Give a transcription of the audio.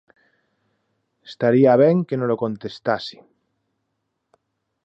Estaría ben que nolo contestase.